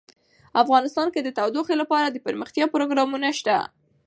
افغانستان کې د تودوخه لپاره دپرمختیا پروګرامونه شته.